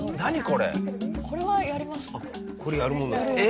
これやるものなんですか？